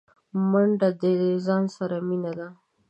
منډه د ځان سره مینه ده